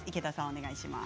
お願いします。